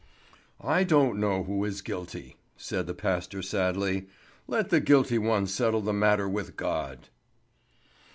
"I don't know who is guilty," said the pastor sadly. "Let the guilty one settle the matter with God."